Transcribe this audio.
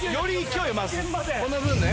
この分ね